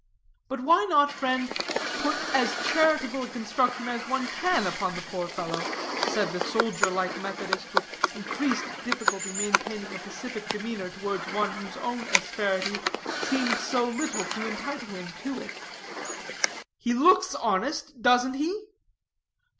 "But why not, friend, put as charitable a construction as one can upon the poor fellow?" said the soldierlike Methodist, with increased difficulty maintaining a pacific demeanor towards one whose own asperity seemed so little to entitle him to it: "he looks honest, don't he?"